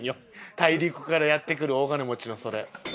大陸からやって来る大金持ちのそれ。